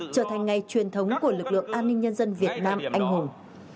trở thành ngày truyền thống của lực lượng an ninh nhân dân việt nam anh hùng